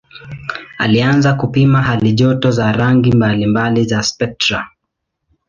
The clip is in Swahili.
Alianza kupima halijoto za rangi mbalimbali za spektra.